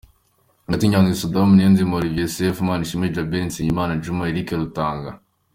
Hagati: Nyandwi Saddam, Niyonzima Olivier Sefu, Manishimwe Djabel, Nizeyimana Djuma, Eric Rutanga .